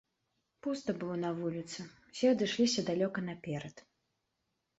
Пуста было на вуліцы, усе адышліся далёка наперад.